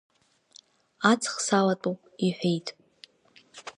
Аҵх салатәоуп, – иҳәеит…